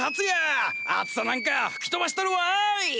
暑さなんか吹き飛ばしたるわい！